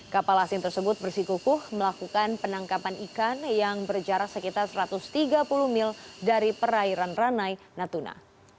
kapal asing tersebut bersikukuh melakukan penangkapan ikan yang berjarak sekitar satu ratus tiga puluh mil dari perairan ranai natuna